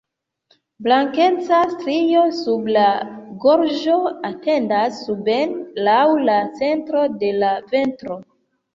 Blankeca strio sub la gorĝo etendas suben laŭ la centro de la ventro.